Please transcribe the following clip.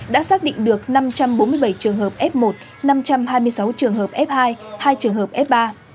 đã xác định được năm trăm bốn mươi bảy trường hợp f một năm trăm hai mươi sáu trường hợp f hai hai trường hợp f ba